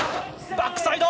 バックサイド！